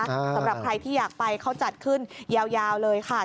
สำหรับใครที่อยากไปเขาจัดขึ้นยาวเลยค่ะ